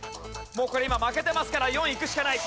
これ今負けてますから４いくしかない。